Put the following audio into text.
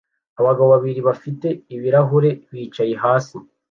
Abagabo babiri bafite ibirahuri bicaye hasi